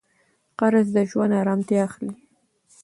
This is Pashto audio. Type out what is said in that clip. قرض د ژوند ارامتیا اخلي.